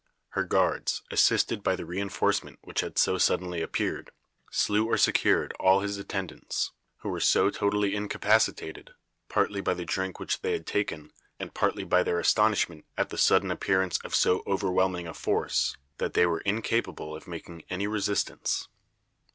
Her guards, assisted by the re enforcement which had so suddenly appeared, slew or secured all his attendants, who were so totally incapacitated, partly by the drink which they had taken, and partly by their astonishment at the sudden appearance of so overwhelming a force, that they were incapable of making any resistance.